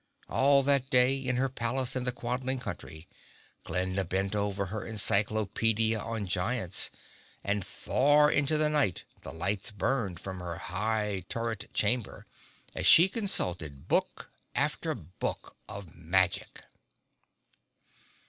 All that day, in her palace in the Quadling country, Glinda bent over her encyclopedia on giants, and far into the night the lights burned from her high turret chamber, as she consulted book after book of magic.